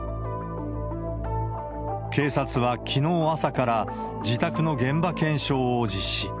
警察はきのう朝から自宅の現場検証を実施。